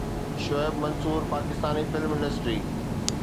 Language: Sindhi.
شعيب منصور پاڪستاني فلم انڊسٽري